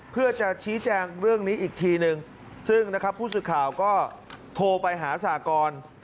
เพื่อจะชี้แจงเรื่องนี้อีกทีนึงซึ่งนะครับผู้สื่อข่าวก็โทรไปหาสากร